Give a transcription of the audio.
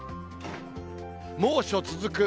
猛暑続く。